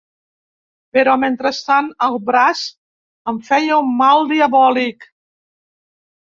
Però, mentrestant, el braç em feia un mal diabòlic